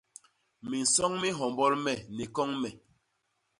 Minsoñ mi nhombol me ni koñ me.